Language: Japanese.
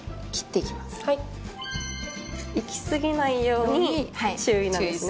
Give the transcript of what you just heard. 行き過ぎないように注意なんですね。